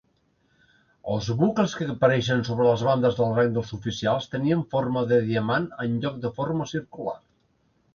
Els "bucles" que apareixen sobre les bandes del rang dels oficials tenien forma de diamant enlloc de forma circular.